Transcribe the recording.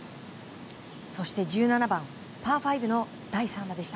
そして１７番、パー５の第３打でした。